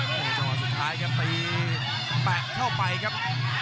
โอ้จอสุดท้ายครับปีแปะเข้าไปครับ